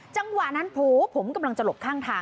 จังหวะนั้นโผล่ผมกำลังจะหลบข้างทาง